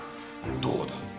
どうだ？